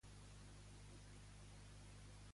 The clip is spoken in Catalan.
I qui testimonia també?